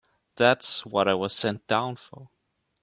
That's what I was sent down for.